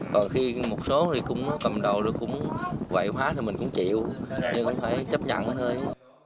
còn khi một số thì cũng cầm đầu rồi cũng quậy hóa thì mình cũng chịu nhưng phải chấp nhận hết thôi